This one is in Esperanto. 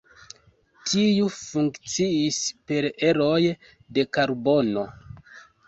Tiu funkciis per eroj de karbono.